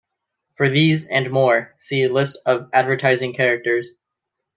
For these and more, see List of advertising characters.